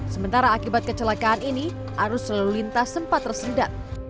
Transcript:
sementara akibat kecelakaan ini arus lalu lintas sempat tersendat